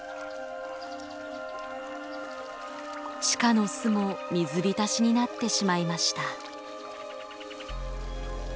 地下の巣も水浸しになってしまいました。